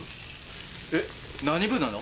えっ何部なの？